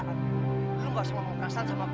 hah perasaan gua gak punya salah kan sama lu